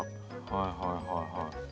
はいはいはいはい。